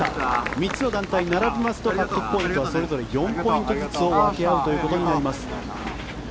３つの団体並びますと獲得ポイントはそれぞれ４ポイントずつを分け合うということになります。